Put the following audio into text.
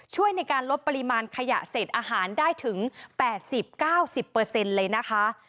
ช่วยในการลดปริมาณขยะเศษอาหารได้ถึง๘๐๙๐เลยนะคะ